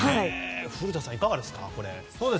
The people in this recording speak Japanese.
古田さん、いかがですか。